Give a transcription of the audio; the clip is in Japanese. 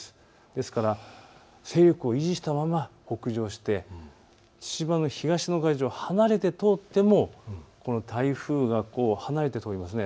ですから勢力を維持したまま北上して父島の東の海上を離れて通っても台風が離れて通ります。